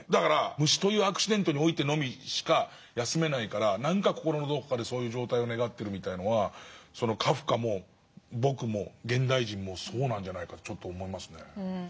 虫というアクシデントにおいてのみしか休めないから心のどこかでそういう状態を願ってるみたいなのはカフカも僕も現代人もそうなんじゃないかと思いますね。